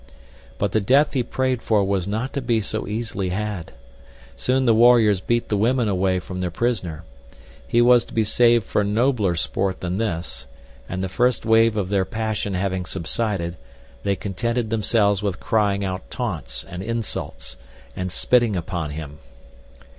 But the death he prayed for was not to be so easily had. Soon the warriors beat the women away from their prisoner. He was to be saved for nobler sport than this, and the first wave of their passion having subsided they contented themselves with crying out taunts and insults and spitting upon him.